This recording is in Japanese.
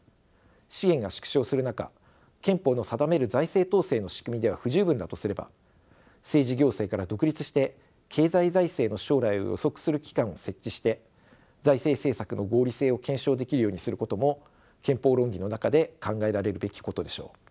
資源が縮小する中憲法の定める財政統制の仕組みでは不十分だとすれば政治・行政から独立して経済・財政の将来を予測する機関を設置して財政政策の合理性を検証できるようにすることも憲法論議の中で考えられるべきことでしょう。